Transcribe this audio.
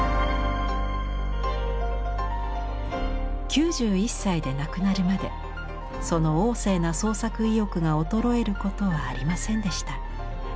９１歳で亡くなるまでその旺盛な創作意欲が衰えることはありませんでした。